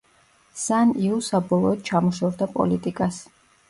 სან იუ საბოლოოდ ჩამოშორდა პოლიტიკას.